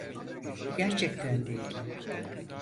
Gerçekten değil.